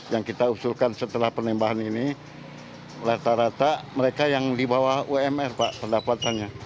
yang kita usulkan setelah penembahan ini rata rata mereka yang di bawah umr pak pendapatannya